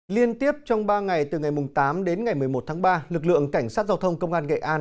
liên tiếp trong ba ngày từ ngày tám đến ngày một mươi một tháng ba lực lượng cảnh sát giao thông công an nghệ an